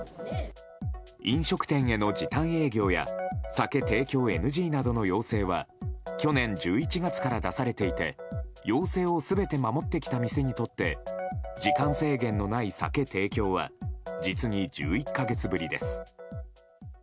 飲食店への時短営業や酒提供ＮＧなどの要請は去年１１月から出されていて要請を全て守ってきた店にとって時間制限のない酒提供は実に１１か月ぶりです。